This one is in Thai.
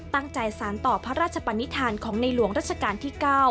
ตั้งใจสารต่อพระราชปันนิษฐานของในหลวงราชการที่๙